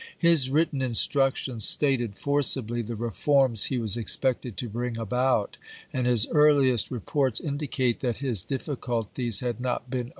His written instructions stated forcibly the reforms he was expected to bring about, and his earliest HALLECK 87 reports indicate that his difficulties had not been chap.